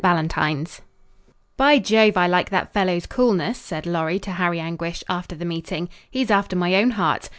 VALENTINE'S "By Jove, I like that fellow's coolness," said Lorry to Harry Anguish, after the meeting. "He's after my own heart.